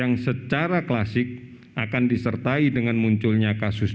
yang secara klasik akan disertai dengan munculnya kasus